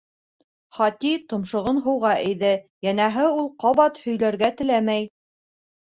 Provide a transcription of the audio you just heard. Хати томшоғон һыуға эйҙе, йәнәһе, ул ҡабат һөйләргә теләмәй.